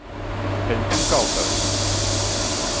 天主教堂